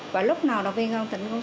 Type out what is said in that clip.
và lúc nào đoàn viên công an tỉnh